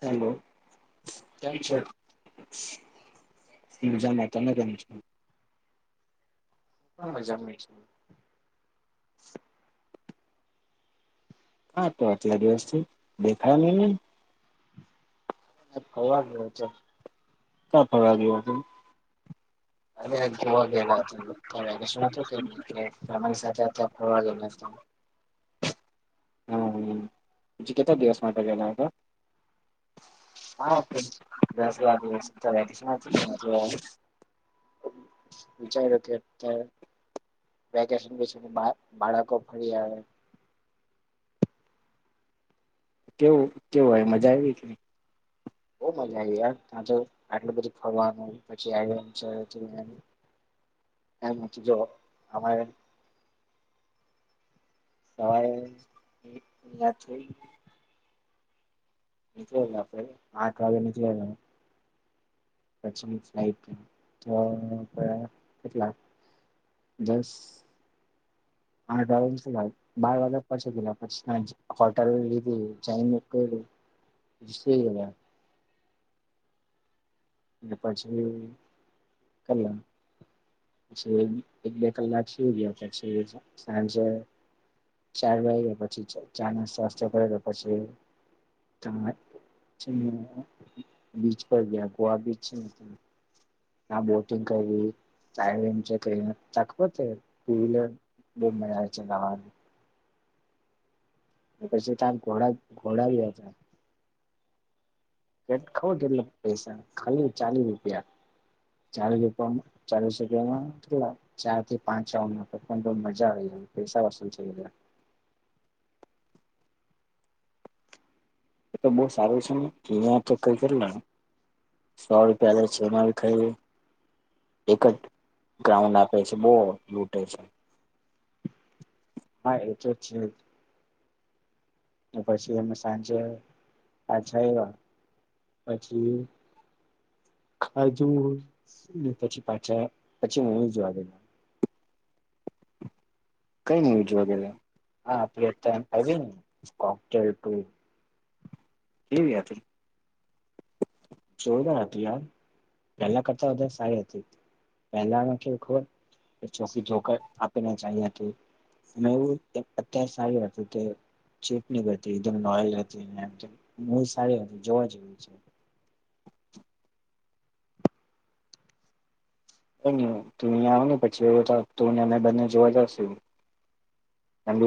Hello હજા, તમે કેમ છ. હવે, જમ છે. હા, તો આટલા દિવસથી દેખા નહીને હ ખવા, ગયો છ. કા ફરવા ગયો, હત [inaudible] અરે ગોવા ગેલા, હતા, વેકેશન હતું કે સાથે ફરવા ગલા હતા [inaudible] હમી, કેટલા દિવસ માટે ગલા, હતા હાસ, વા [unintelligible] વિચારો, કે અત્યારે વેકેશન પછ, બાળકો ફરી આવે કેવું કેવુ આવે, મજા આવી કે બ મજા આવી, યાર ત્યા તો આટલું બધું ફરવાનુ પછી હમાછ, જો આરે. સવારે, [inaudible] નીકળેલાાઈ આઠ, વાગે નીકળલા પછીની, ફ્લાઇટ કેટલા બસ હ, ડ્રોંગ બાર વાગ પછ ગીધ પછી, હોટેલ લીધી જ, હ એ પાછ, કલણ પછી, એક બે કલાક થ ગયો. પછી સાંજે ચાલ ગયા પછી, ચાના સ્વાસ્થ કર પછી બીચ પર ગયા ગોવા, બીચ છે- હ, બોટિંગ કર બતે ટુ વ્હીલર બમબઈ છે, ગાવાને પછી તા ઘોડા ઘોડાવ્યા છે કે ખઉ કેટલા પૈસા ખાલી ચાલી રૂપિયા ચાલવી પણ ચાલી શકે અને કેટલા ચાર થી પાંચ આવ પણ બો મજા આવી પૈસા વસુલ થઇ ગયા એ તો બહુ સારું છે ને અહીં તો કઈ કરલા સો રૂપિયાની ચનાવી ખાઈ એક જ ગ્રાઉન આપે છે બો લૂટે છે હા એ તો છે જ ને પછી અમે સાંજે પાછા આયવા પછી ખાધુ ને પછી પાછા પછી જોવા ગેલા કઈ મૂવી જોવા ગેલા આટલે તય પડી ને કોકટેલ ટટુ કેવી હતી? [unintelligible] યાર પેલા કરતા વધારે સારી હતી પેલામાં કેવી ખબર ચોકી જોક આપેને [unintelligible] એવું અત્યારે સારી વાત છે કે ચીટની કરતી એકદમ [unintelligible] જોવા જેવી છે તું આવને પછી એવ તું ને મે બંને જોવા જાસ અને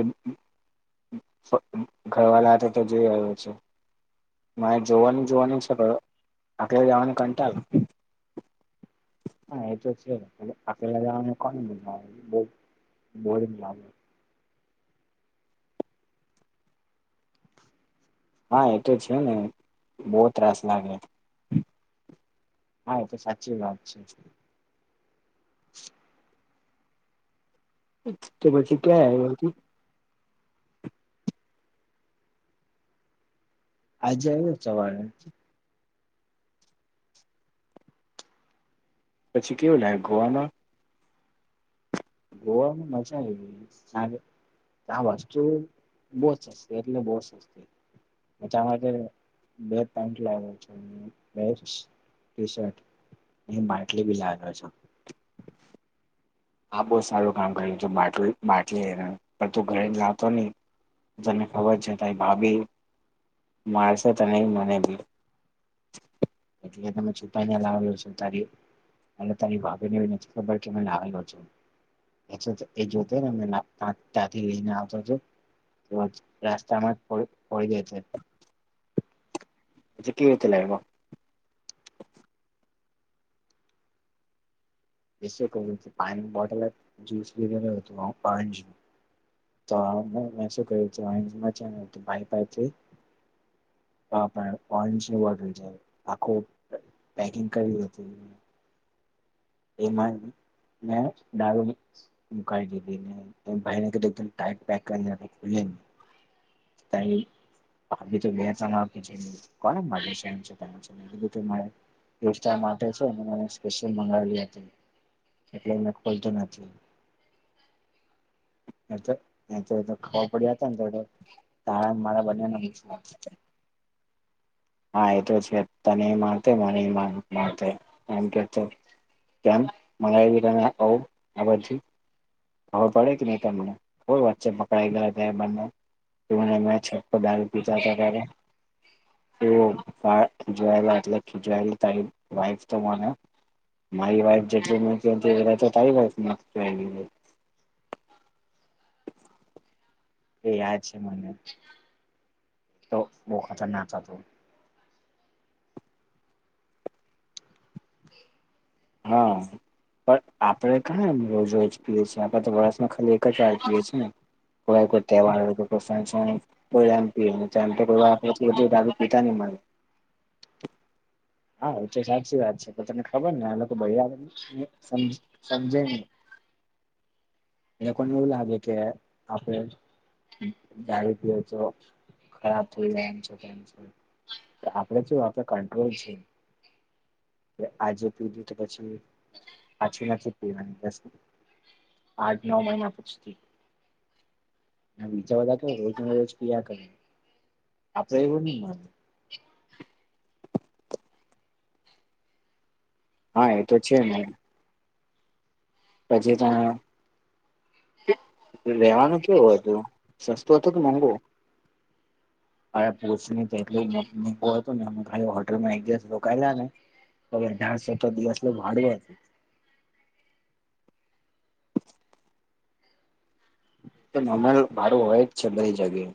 ઘરવાલા હાથે તો જોઈ આવ્યો છે મારે જોવાનું જોવાનું [unintelligible] આટલે જવાનુ કંટાલ હા એ તો [inaudible] હા એ તો છે ને બો ત્રાસ લાગે હા એ તો સાચી વાત છે [inaudible] તો પછી ક્યાં [unintelligible] આજે આવ્યો સવારે પછી કેવું લાયગું આમાં ગોવામાં મજા આયવી તા વસ્તુ બો સસ્તી એટલે બો સસ્તી બધા માટે બે પેન્ટ લાયવો છે ને બે ટી શર્ટ એ માટલી બી લાવ્યા છો આ બો સારું કામ કર્યું જો માટલું બાટલી પણ તું ઘરે થી લાવતો નહિ તને ખબર છે તારી ભાભી મારશે તને ભી મને ભી એટલે તો મેં છુપાઈને લાવેલો છુ તારી એટલે તારી ભાભીને એવું નથી ખબર કે મેં લાવેલો છું એ જોતો રેય ને ત્યાંથી લઈને આવતો તો તો રાસ્તામાં જ ફોડી દેતે પછી કેવી રીતે લાયવો [unintelligible] પાણી બોટલ જ્યૂસ લીધુ હતું [inaudible] તો મે શું ક્યુ [inaudible] હ પણ [unintelligible] આખું પેકિંગ [unintelligible] એમાં મે દારૂ મુકાઈ દીધી ને ભાઈ ને કીધું કે ટીઈટ પેક કરી [unintelligible] તઈ [inaudible] દોસ્તાર માટે છે ને સ્પેશયલ મંગાવેલી એમ એટલે મે ખોલતો, નથી [unintelligible] આ મારા બના ને [inaudible] હા, એ તો છે, તને મારતે મને મારતે એમ કેતો કેમ [unintelligible] ખબર પડે કેની, તમને કોઈ વચ્ચે પકડાઈ ગયેલા બંને તુ અને મે છત, પર દારૂ પીતા હતા. ત્યારે એ જોયેલા એટલે જોયે, તારી વાઈફ તો મને. મારી વાઈફ, જેટલ મે ક એ તો તારી વા. એ યાદ છે, મને તો બ ખાતા નાતા હ હા પણ આપડે કં એ રોજ રોજ પીએ છીએ, આપડણે તો વર્ષમાં ખાલી એક જ વાર પીએ છીએ, ને, કો કોઈ તહેવાર હોઈ, ફક્ન કોમ પ કો દ પીતા ન હ હા, છે. સાચક્ષી વા અ તો તમને ખબર ને આ લોકો, ભ સમજેને લોકોને એવુ લાગે, કે આપડ જાડી પ તો ખરાબ થઈ જાય, એમ કેમ આપડે શું આપે કટ્રોલ છે. આજે પીધુ, તો પછી અછી નથી, પીવા આઠ નવ મહિના પૂછતી, બીજા બધા કે રોજ રોજ પ કરે આપે એવુ ન મા હા, એ તો છેને પછી, તો રેવાનું કેવુ હતુ, સસ્તોું હતો. કે મોંઘો અરે પોનીલી હોલમાં એક જાન રુકાઈના અગર ડસો, તો દિવસ વાડવે અમલ ભાડું હોય જ છે, બઈ જગ્યાએ